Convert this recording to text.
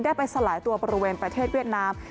ได้ไปสลายตัวบริเวณประเทศเวียดนาม